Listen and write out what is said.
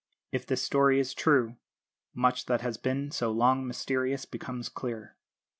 If this story is true, much that has been so long mysterious becomes clear.